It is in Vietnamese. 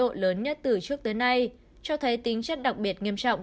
hội lộ lớn nhất từ trước tới nay cho thấy tính chất đặc biệt nghiêm trọng